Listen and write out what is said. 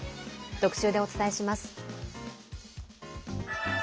特集でお伝えします。